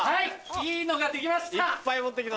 いいのができました。